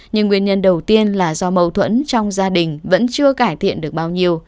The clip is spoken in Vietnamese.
nhưng nguyên nhân đầu tiên là do mâu thuẫn trong gia đình vẫn chưa cải thiện được bao nhiêu